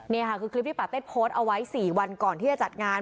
นี่ค่ะคือคลิปที่ปาเต็ดโพสต์เอาไว้๔วันก่อนที่จะจัดงาน